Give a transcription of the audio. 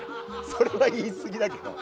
それは言い過ぎだけど。